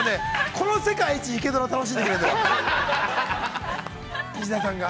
この世界一、「イケドラ」楽しんでくれてる、石田さんが。